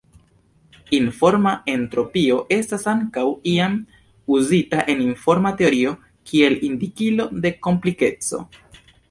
Informa entropio estas ankaŭ iam uzita en informa teorio kiel indikilo de komplikeco.